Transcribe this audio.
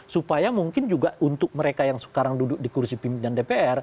supaya mungkin juga untuk mereka yang sekarang duduk di kursi pimpinan dpr